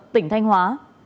tỉnh thanh hóa